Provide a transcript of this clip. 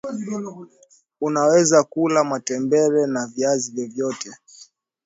unaweza kula matembele na viazi vyovyote